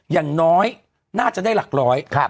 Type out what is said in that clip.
อย่างน้อยน่าจะได้หลักร้อย